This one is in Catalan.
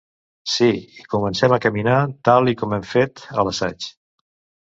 Sí, i comencem a caminar, tal i com hem fet a l'assaig.